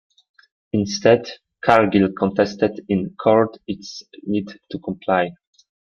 Instead, Cargill contested in court its need to comply.